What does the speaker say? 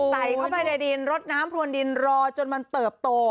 ใส่เข้าไปในดินรดน้ำพรวนดินรอจนมันเติบโต